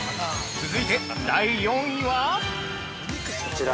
◆続いて、第４位は◆こちら。